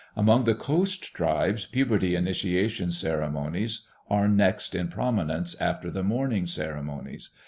Among the coast tribes puberty initiation ceremonies are next in prominence after the mourning ceremonies.